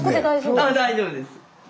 大丈夫です。